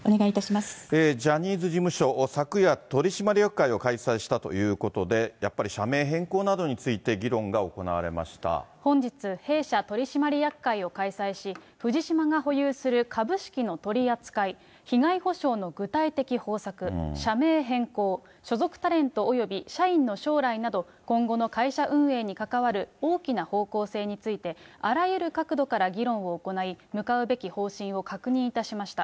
ジャニーズ事務所、昨夜、取締役会を開催したということで、やっぱり社名変更などについて議本日、弊社取締役会を開催し、藤島が保有する株式の取り扱い、被害補償の具体的方策、社名変更、所属タレントおよび社員の将来など、今後の会社運営に関わる大きな方向性について、あらゆる角度から議論を行い、向かうべき方針を確認いたしました。